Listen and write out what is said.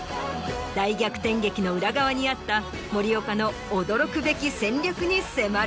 大逆転劇の裏側にあった森岡の驚くべき戦略に迫る。